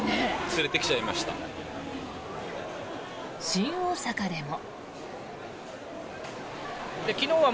新大阪でも。